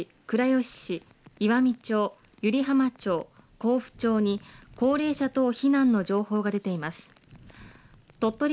また、鳥取市、倉吉市、岩美町、湯梨浜町、こうふ町に高齢者等避難の情報が出ています。